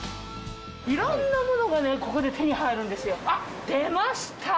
いろんなものがここで手に入るんですよ。